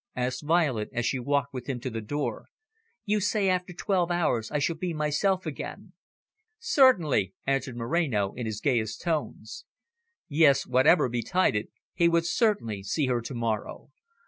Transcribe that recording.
asked Violet, as she walked with him to the door. "You say after about twelve hours I shall be myself again." "Certainly," answered Moreno in his gayest tones. Yes, whatever betided, he would certainly see her to morrow.